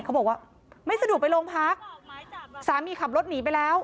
เขาบอกว่าไม่สะดวกไปโรงพักสามีขับรถหนีไปแล้ว